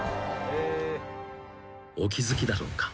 ［お気付きだろうか？